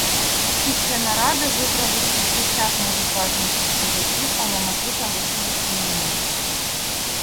Після наради вибрали шістдесят найвідважніших козаків, але мету залишили в таємниці.